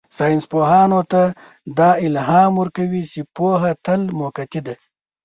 ساینسپوهانو ته دا الهام ورکوي چې پوهه تل موقتي ده.